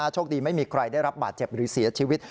โชคดีไม่มีใครได้รับบาดเจ็บหรือเสียชีวิต